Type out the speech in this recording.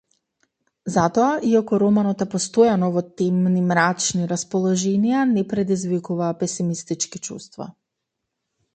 Затоа, иако романот е постојано во темни, мрачни расположенија, не предизвикува песимистички чувства.